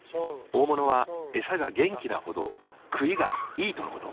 大物はエサが元気なほど食いがいいとのこと。